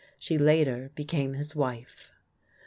She later became his wife.